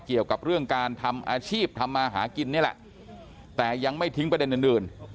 เกี่ยวกับเรื่องการทำอาชีพทำมาหากินนี่แหละแต่ยังไม่ทิ้งประเด็นอื่น